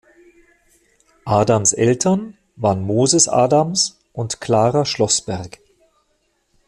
Adams Eltern waren Moses Adams und Clara Schlossberg.